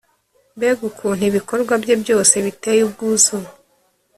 Mbega ukuntu ibikorwa bye byose biteye ubwuzu!